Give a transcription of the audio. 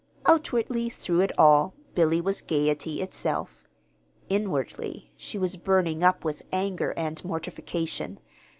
Outwardly, through it all, Billy was gayety itself. Inwardly she was burning up with anger and mortification.